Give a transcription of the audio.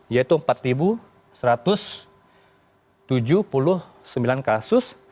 yaitu empat satu ratus tujuh puluh sembilan kasus